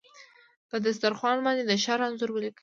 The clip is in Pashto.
په دسترخوان باندې د ښار انځور ولیکې